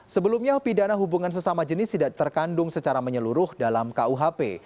sebelumnya pidana hubungan sesama jenis tidak terkandung secara menyeluruh dalam kuhp